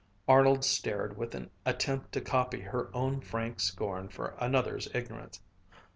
Arnold stared with an attempt to copy her own frank scorn for another's ignorance.